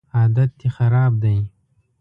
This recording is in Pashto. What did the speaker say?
عادت دي خراب دی